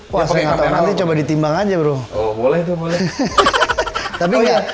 wah sengaja nanti coba ditimbang aja bro oh boleh tuh boleh hahaha